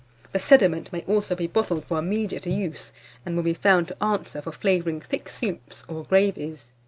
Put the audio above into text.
The sediment may also be bottled for immediate use, and will be found to answer for flavouring thick soups or gravies.